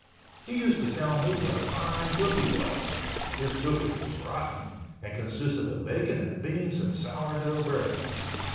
He used to tell me what a fine cook he was—his cooking was rotten and consisted of bacon and beans and sourdough bread.